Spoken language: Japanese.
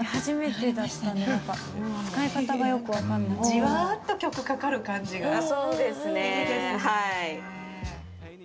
じわっと曲かかる感じがいいですね。